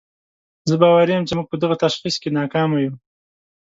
زه باوري یم چې موږ په دغه تشخیص کې ناکامه یو.